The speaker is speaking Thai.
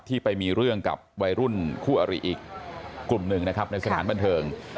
ไปมีเรื่องกับวัยรุ่นคู่อริอีกกลุ่มหนึ่งนะครับในสถานบันเทิง